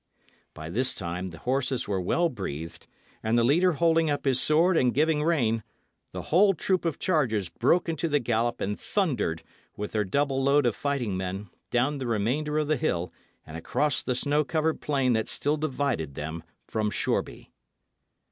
By this time the horses were well breathed, and the leader holding up his sword and giving rein, the whole troop of chargers broke into the gallop and thundered, with their double load of fighting men, down the remainder of the hill and across the snow covered plain that still divided them from Shoreby.